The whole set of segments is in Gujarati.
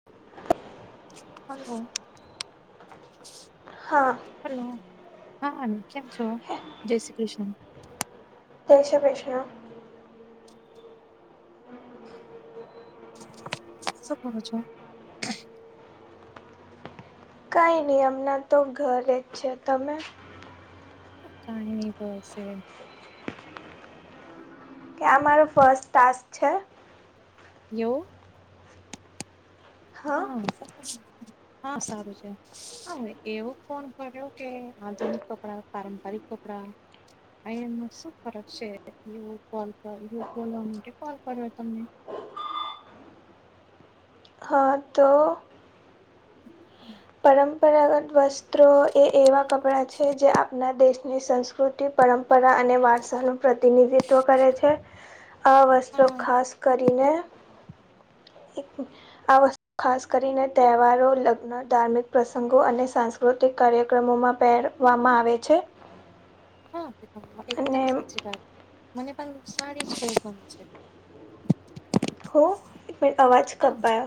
[inaudible] હલો. હા. હલો હા કેમ છો જય શ્રી કૃષ્ણ. જય શ્રી કૃષ્ણ. શું કરો છો. કઈ નહી અમનાં તો ઘરે જ છે તમે? કંઈ નઈ બસ એમ. કે આ મારો ફર્સ્ટ ટસ્ક છે. એવું. હા. હા સારું છે હા એવો ફોન કર્યો કે આધુનિક કપડા પારંપરિક કપડાં. અ એમાં શું ફરક છે કોલ બોલવા માટે કોલ કર્યો તમને. હા તો. [inaudible] પરંપરાગત વસ્ત્રો એ એવાં કપડાં છે જે આપણા દેશની સંસ્કૃતિ પરંપરા અને વારસાનું પ્રતિનિધિત્વ કરે છે આ વસ્ત્રો હા ખાસ કરીને [unintelligible] ખાસ કરીને તહેવારો લગ્ન ધાર્મિક પ્રસંગો અને સાંસ્કૃતિક કાર્યક્રમોમાં પેર વામાં આવે છે હા પ અને એકદમ સાચી વાત મને પણ સારી છે હો એક મે અવાજ હા કયા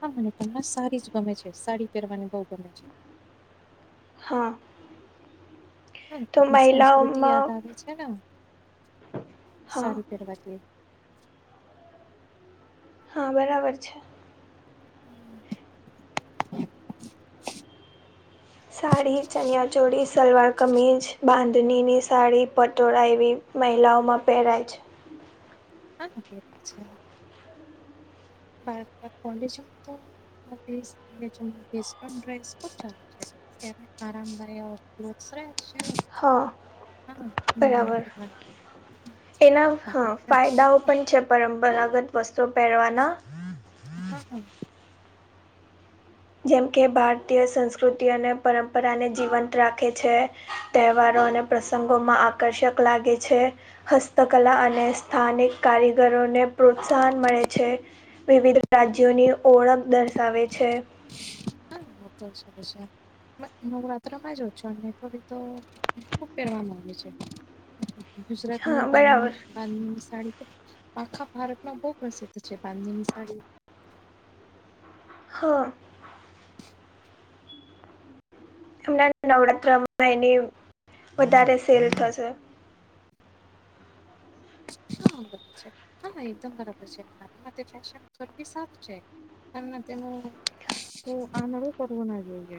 હા મને તમને સારી જ ગમે છે સાડી પહેરવાની બહ ગમે છે હા તો હમ સંસ્કૃતિ મહિલાઓમાં યાદ આવે છે ને હા સારી પેરવા ની હા બરાબર છે [unintelligible] સાડી ચનિયા ચોડી સલવાર કમીજ, બાંધણીની સાડી, પટોળ એવી મહિલાઓમાં પહેરાય છે હા ક છે [unintelligible] [inaudible] નુ ફૈન્ડ છે હા હા મુલાયમ બરાબર કપડાં એના બાકી હા છે. ફાયદાઓ હા પણ છે પરંપરાગત વસ્તુઓ પહેરવાના હમ હમ જેમ કે ભારતીય સંસ્કૃતિ અને પરંપરાને જીવંત રાખે છે તહેવારો અને પ્રસંગોમાં આકર્ષક લાગે છે હસ્તકલા અને સ્થાનિક કારીગરોને પ્રોત્સાહન મળે છે વિવિધ રાજ્યોની ઓળખ દર્શાવે છે હશેશે નવરાત્ર માં જ છો અને થડી તો ખુબ પહેરવામાં આવે છે ગુજરાતની હા બરાબર પાણીણી બાંધની સાડી તો આખા ભારતમાં બહુ પ્રસિદ્ધ છે બાંધની સાડી હા હમણાં નવડાત્રમાં એની વધારે સેલ થશે હર હા એકદમ બરાબર છે મારામાં ફેશન ફર સારું છે અને તેનું આંધળું કરવું ના જોઈએ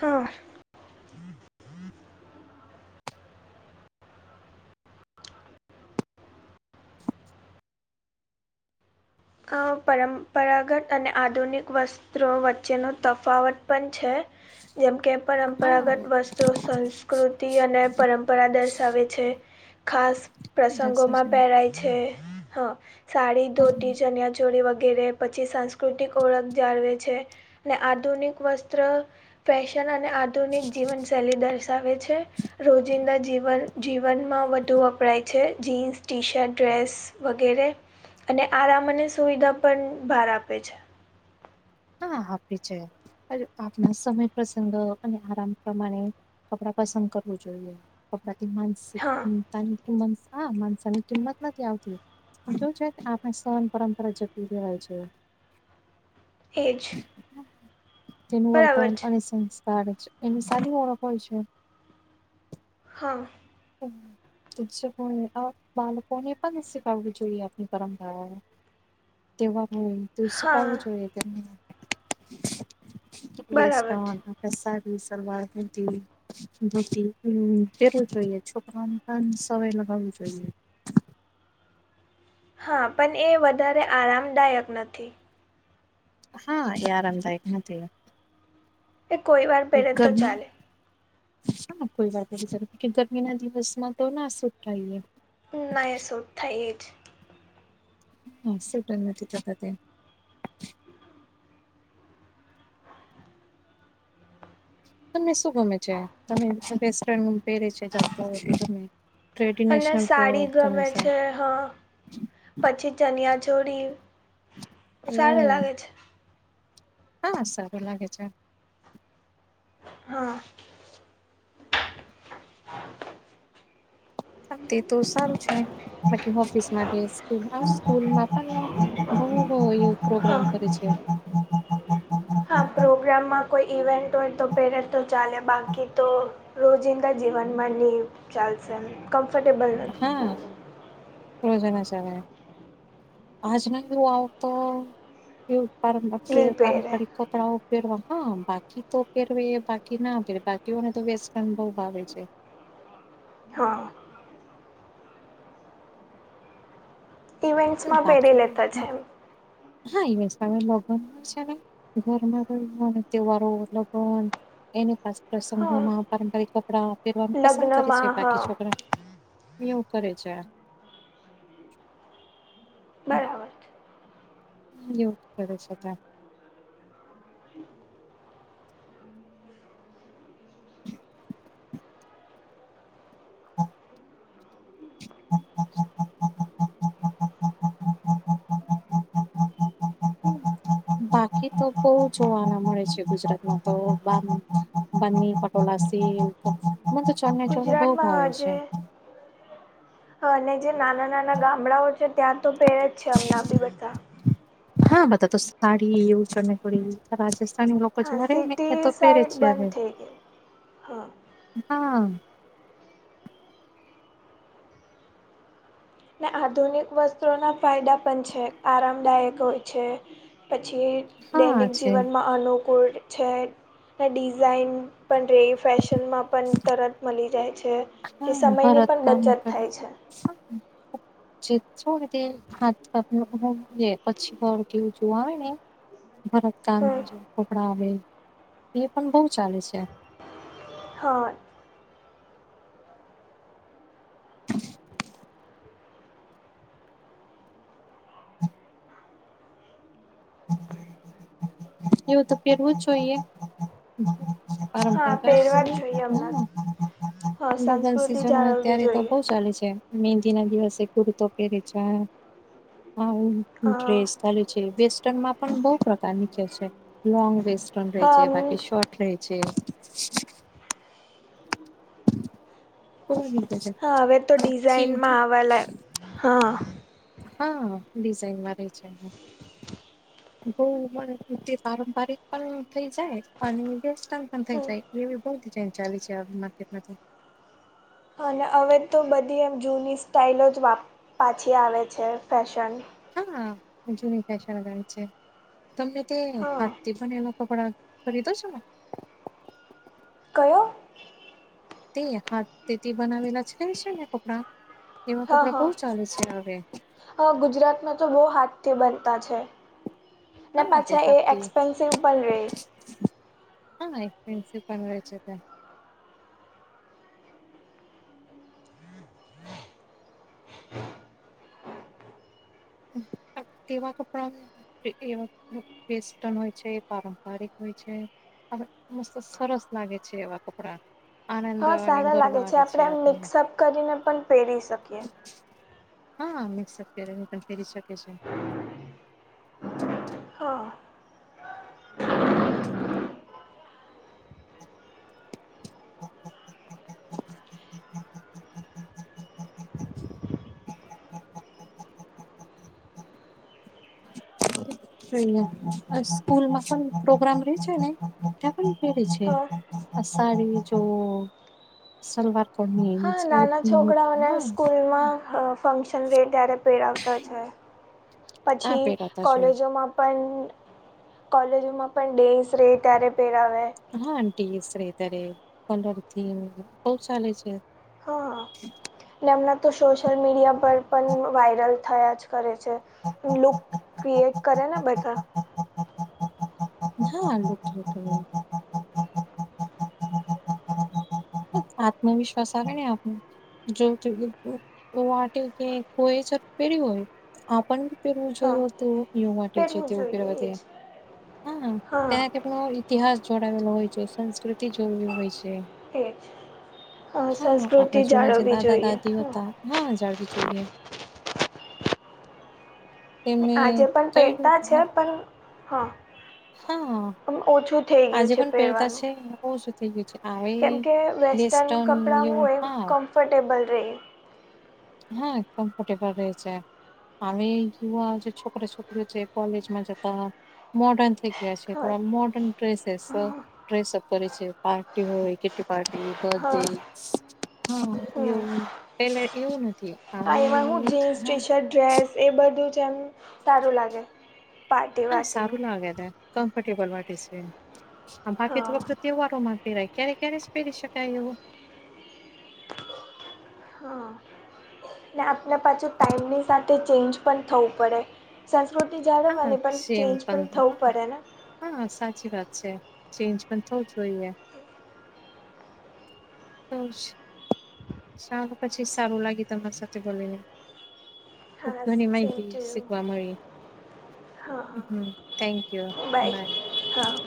હા પરંપરાગત અને આધુનિક વસ્ત્રો વચ્ચેનો તફાવત પણ છે જેમકે પરંપરાગત હા વસ્ત્રો સંસ્કૃતિ અને પરંપરા દર્શાવે છે ખાસ પ્રસંગોમાં જસજન પહેરાય છે હ સાડી દોત હમ ચનિયાચોળી વગેરે પછી સાંસ્કૃતિક ઓળખ જાળવે છે ને આધુનિક વસ્ત્ર ફેશન અને આધુનિક જીવન શૈલી દર્શાવે છે રોજિંદા જીવન જીવનમાં વધુ વપરાય છે જીન્સ ટી શર્ટ ડ્રેસ વગેરે અને આરામ અને સુવિધા પણ ભહાર આપે છે હા આપી છે પાપના સમય પ્રસંગ અને આરામ પ્રમાણે કપડા પસંદ કરવું જોઈએ રાતી માનસિક હા કિમની હા માનસાની કિંમત નથી આવતી જો છે આપણે સહન પરંપરા જતતી કહેવાય છે એજ તેનું વર્તન અને સંસ્કાર જ એની સારી ઓળખ હોય છે. હા હમ [inaudible] શિક્ષકોને બાળકોને પણ શીખાવવું જોઈએ આપની પરંપરાને કેવા હોય દૂષ હા પાાવું જોઈએ તને બરાબર છે વસ્ટવાનું સાારી સલવાર ધૂતી ધૂતી તેવું જોઈએ છોકરામાં પણ સવાય લગાવું જોઈએ. હા પણ એ વધારે આરામદાયક નથી. હા એ આરામદાયક નથી એ કોઈ વાર કો પહેરે તો ગરમી ચાલે હા કોઈ વાત નથી ગરમી ના દિવસમાં તો ના સુ થાયએ ના એસો થાઇ એજ હા સુંટ નથી થખ તે તમને શું ગમે છે તમે વસ્ટન પહેરે છે જતા હોય અને ટ્રેડીનેશનલ સાડી પ્રતો ગમે સા છે હા પછી ચનિયાચોલી સારું એવું લાગે છે. હા સારું લાગે છે. હા તે તો સારું છે. બાકી ઓફિસ માટે સ્કુલમાં પણ બોવ હા પ્રોગ્રામ કરે છે. હા હા હા હા હા [unintelligible] હા પ્રોગ્રામમાં કોઈ ઈવેન્ટ હોય તો પેરે તો ચાલે બાકી તો રોજિંદા જીવનમાં નહી ચાલશે કમ્ફર્ટેબલ નથી હા રોજાના સય આજ ન એવું આવતો એ પરામ નહીં પરામ પહેરે પાડી કપડા ઉપેરવા હા બાકી તો ઉપેરવે બાકી નાેરવે બાકીઓને તો વેસ્ટર્ન બઉ ભાવે છે. હા ઇવેન્ટ્સમાં પહેરી બાકી લેતા છે એમ હા ઈવે સ ભગવાનું હોય છે ને [unintelligible] ઘરમાં વારો તહેવારો લગન એની હા પ્રસંગમાં પારંપરિક કપડા પેરવાનું પસંદ કરે છે લગ્નમાં હા બાકી છોકરા એવું કરે છે. બરાબર. છે. યોગ પ્રદર્શતા હ [unintelligible] હા [inaudible] [unintelligible] બાકી તો બહુ જોવાના મળે છે ગુજરાતમાં તો બની પટોળ સી મને તો ચરને ચોડ બઉ ગુજરાતમાં ભાવ આજે છે [unintelligible] અને જે નાના નાના ગામડાઓ છે ત્યાં તો પેરે જ છે હમણાં ભી બધા હા બધા તો સાડીવું રાજસ્થાન છ હા મારે મે તો સિટી પેરે સાઈડ છે હવે બંધ થઈ ગઈ હા હા ને આધુનિક વસ્ત્રોના ફાયદા પણ છે આરામદાયક હોય છે. પછી હા દૈનિક છે જીવનમાં અનુકૂળ છે અને ડિઝાઇન પણ રહી ફેશનમાં પણ તરત મળી જાય છે. જે સમયની ભરત પણ કામ બચત થાય છે. હા જેતે હાથ પછીર કેવું જોવા આવે ને [unintelligible] ભરત કામ હમ કપડા આવે એ પણ બહુ ચાલે છે. હા એવું તો પહેરવું જ જોઈએ હા પારંપરિક શ પહેરવા જ જોઈએ હમણાં હા હ ગલ સંસ્કૃતિ સિઝન જાળવવી અત્યારે તો જોઈએ બઉ ચાલે છે. મ મેહેંદી ના દિવસે કુરતો પેરે છા હા હાન્ટ્રેસ ચાલે છે બેસ્ટ [unintelligible] માં પણ બહુ પ્રકારની કે છે લોંગ વેસ્ટર્ન રહી હા જ બાકી શોર્ટ છે કો છે [inaudible] હા હવે તો હાથી ડિઝાઇનમાં આવા લા હા હા ડિઝાઇનમાં રે છે. બવ તે પારંપારિક પણ થઈ જાય અને વેસ્ટર્ન પણ થઇ જાય. એવી બહુ જ ચાલી છે આ માર્કેટમાંથી અને હવે તો બધી એમ જૂની સ્ટાઇલો જ પાછી આવે છે ફેશન હા જૂની ફેશન આવે છે. તમને તે હા હાથથી પણ એવા કપડાં ખરીદો છો ને ક્યા? તે હાથ થી બનાવેલા છે છે ને કપડાં તેવા હા કપડા હા બહુ ચાલે છે હવે. ગુજરાતમાં તો બહુ હાથ્ થી બનતા છે. ને હા તે પાછા એ હાથથી એક્સપેન્સિવ પણ રે હા એક્સપેન્સિવ પણ રે છે તો. તેવા કપડા એ વેસ્ટર્ન હોય છે પારંપારિક હોય છે. હવે મસ્ત સરસ લાગે છે એવા કપડાં હા સારા લાગે છે આપણે આમ આપને મિક્સઅપ કરીને પણ પહેરી શકીએ. હા મિક્સઅપ કરીને પણ પહેરી શકે છે. હા હા [inaudible] જો સ્કૂલમાં પણ પ્રોગ્રામ રે છે ને ત્યાં પણ પેરે છે. હા સાડી જો સલવાર પરની એવી હા જ નાના છોકરાઓને હા સ્કૂલમાં હ ફંક્શન રહેે ત્યારે પેરાવતા છે આ પછી પહેરાતા છે કોલેજોમાં પણ કોલેજોમાં પણ ડેઝ રહે ત્યારે પહેરાવે. હા આ ડેઝ ત્યારે કલરથીમ બહ ચાલે છે હા હ ને એમના તો સોશિયલ મીડિયા પર પણ વાયરલ થયા જ કરે છે લૂક ક્રિએટ કર ને બધા- હા અ આત્મવિશ્વાસ આવે ને આપનો જો વા ક કોય પે હોય [unintelligible] આપણ પેરવું હા જોયું હતું યુવા પહેરવું તેવું જોઈએ એજ કેથી હા ક [unintelligible] ઇતિહાસ જોડાવેલો હોય છે સંસ્કૃતિ જોવી હોય છે. એ જ હા આપણા સંસ્કૃતિ જૂના જે જાળવવી દાદા જોઈએ દાદી હા હતા હા જાળવી જોઈએ. તેમને આજે પણ કઈ પહેરતા છે રીતના, પણ હા હા ઓછું થઇ ગયું છે પહેરવાનું કો શું થઈ ગયું છે આવે [unintelligible] કેમકે વેસ્ટન વેસ્ટર્ન કપડાં એવું એ હા કમ્ફર્ટેબલ રે હા કમ્ફર્ટેબલ રહે છે. અમે યુવા જે છોકરા છોકરીઓ જે કોલેજ માં જતા મોડર્ન થઈ ગયા છે હા થોડા મોર્ડર્ન ડ્રેસેસ ડ્રેસઅપ કરે છે પાર્ટી હોય કેટી પાર્ટી બર્થ ડે હા હા એવું પેલે એવું નથી હવે આ એમાં હું એવું જીન્સ હા ટી શર્ટ ડ્રેસ એ બધું જેમ સારું લાગે પાર્ટી વાર્ટીનું કમફટેબલ છે બાકી તોત હા તહેવારો માં પહેરાય ક્યારે ક્યારે પહેરી શકાય એવું હં ને આપને પાછું ટાઈમની સાથે ચેન્જ પણ થવું પડે સંસ્કૃતિ હા જાળવવાની પણ સેમ ચેન્જ પણ થવું પડે ને હા સાચી વાત છે ચેન્જ પણ થવું જ જોઈએ તો સાર પછી સારું લાગે તમારી સાથે બોલીને ખૂબ હા ધની સેમ માહિતી ટુ યુ શીખવા મળી હા હ હા થેન્કયુ બાય હા